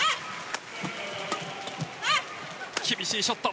厳しいショット。